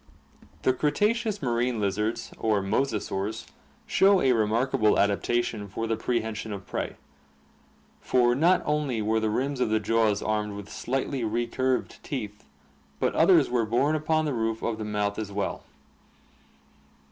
The Cretaceous marine lizards or mosasaurs (Fig. 69) show a remarkable adaptation for the prehension of prey, for not only were the rims of the jaws armed with slightly recurved teeth, but others were borne upon the roof of the mouth as well.